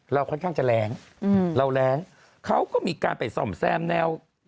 ค่อนข้างจะแรงเราแรงเขาก็มีการไปส่อมแซมแนว